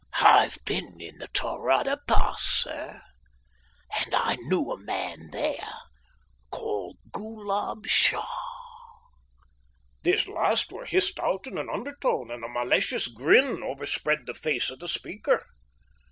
"I've been in the Tarada Pass, sir, and I knew a man there called Ghoolab Shah." These last were hissed out in an undertone, and a malicious grin overspread the face of the speaker.